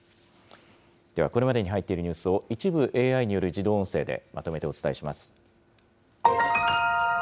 では、これまでに入っているニュースを、一部ＡＩによる自動音声でまとめてお伝えします。